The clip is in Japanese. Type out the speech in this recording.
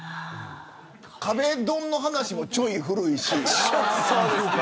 壁ドンの話もちょい古いし。